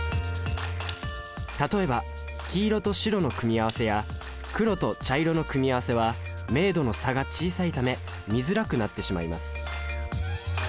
例えば黄色と白の組み合わせや黒と茶色の組み合わせは明度の差が小さいため見づらくなってしまいます